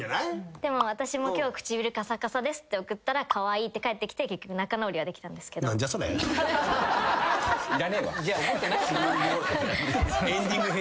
でも「私も今日唇カサカサです」って送ったら「カワイイ」って返ってきて仲直りはできたんですけど。エンディング編